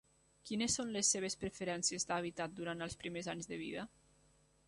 Quines són les seves preferències d'hàbitat durant els primers anys de vida?